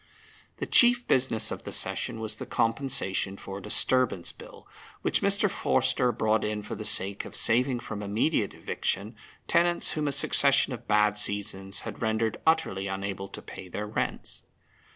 The chief business of the session was the Compensation for Disturbance Bill, which Mr. Forster brought in for the sake of saving from immediate eviction tenants whom a succession of bad seasons had rendered utterly unable to pay their rents.